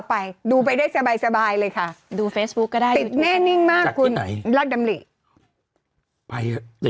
ไปติดขนาดนั้นเลยหรอ